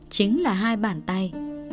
chính là hai bàn tay